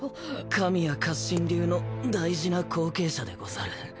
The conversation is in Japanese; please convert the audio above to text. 神谷活心流の大事な後継者でござる。